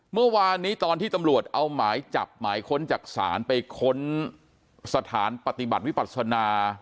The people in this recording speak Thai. เมื่อวานนี้ตอนที่ตำรวจเอาหมายจับหมายค้นจากศาลไปค้นสถานปฏิบัติวิปัศนา